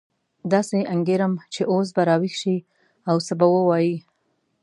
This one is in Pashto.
داسې انګېرم چې اوس به راویښ شي او څه به ووایي.